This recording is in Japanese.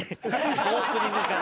オープニングから。